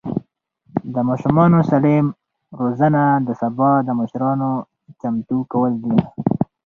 د ماشومانو سالم روزنه د سبا د مشرانو چمتو کول دي.